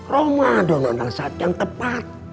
ramadan adalah saat yang tepat